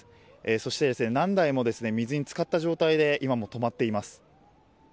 そして何台も水に浸かった状態で今も止まっています。